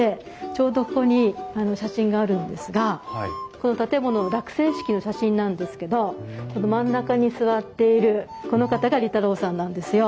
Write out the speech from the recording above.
ちょうどここに写真があるんですがこの建物の落成式の写真なんですけどこの真ん中に座っているこの方が利太郎さんなんですよ。